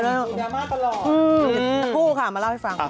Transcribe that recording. ทั้งผู้ค่ะมาเล่าให้ฟัง